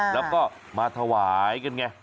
แล้วก็มาถวายกันไง